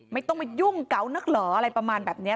ไม่ต้องมายุ่งเกานักเหรออะไรประมาณแบบนี้